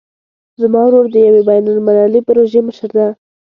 زما ورور د یوې بین المللي پروژې مشر ده